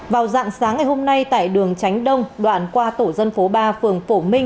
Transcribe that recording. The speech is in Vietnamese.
vào dạng sáng ngày hôm nay tại đường tránh đông đoạn qua tổ dân phố ba phường phổ minh